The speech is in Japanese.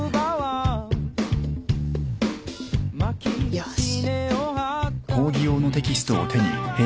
よし。